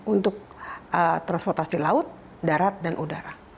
untuk transportasi laut darat dan udara